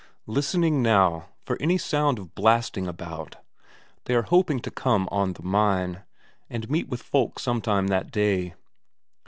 Listening now, for any sound of blasting about; they are hoping to come on the mine, and meet with folk some time that day.